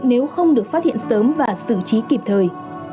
nếu không được phát hiện sớm và xử trí kịp thời